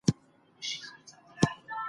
«حیات د اضدادو یوه مجموعه ده».